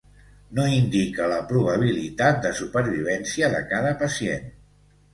No indica la probabilitat de supervivència de cada pacient.